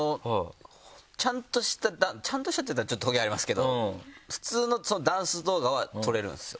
ちゃんとしたちゃんとしたって言ったらトゲありますけど普通のダンス動画は撮れるんですよ。